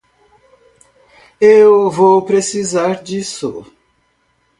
Eu vou precisar disso.